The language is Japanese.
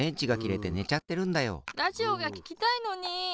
ラジオがききたいのに。